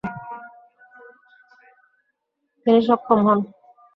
তিনি সক্ষম হন।